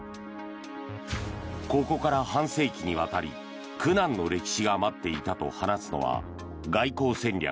ここから半世紀にわたり苦難の歴史が待っていたと話すのは外交戦略